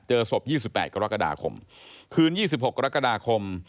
เจอศพ๒๘กรกฎาคมคืน๒๖กรกฎาคม